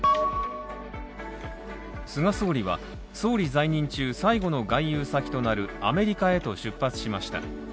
菅総理は総理在任中最後の外遊先となるアメリカへと出発しました。